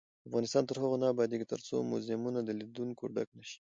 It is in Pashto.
افغانستان تر هغو نه ابادیږي، ترڅو موزیمونه د لیدونکو ډک نشي.